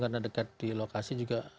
karena dekat di lokasi juga